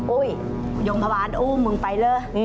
อุ๊ยยงพระวานอุ้มมึงไปเลย